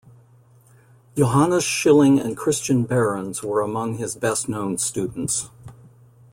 Johannes Schilling and Christian Behrens were among his best-known students.